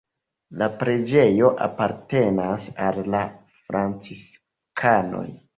La preĝejo apartenas al la franciskanoj.